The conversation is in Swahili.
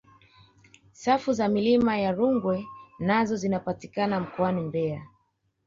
safu za milima ya rungwe nazo zinapatikana mkoani mbeya